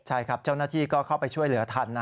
ใช่ครับเจ้าหน้าที่ก็เข้าไปช่วยเหลือทัน